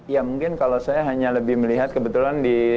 ya mungkin kalau saya hanya lebih melihat kebetulan di